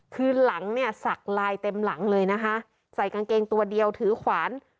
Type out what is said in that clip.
คือหลังเนี่ยสักลายเต็มหลังเลยนะคะใส่กางเกงตัวเดียวถือขวาน